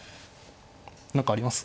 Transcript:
何かあります？